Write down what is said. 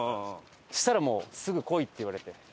そしたらもうすぐ「来い！」って言われて。